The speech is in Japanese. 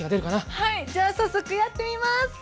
はいじゃあ早速やってみます！